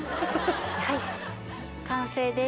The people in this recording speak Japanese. はい完成です。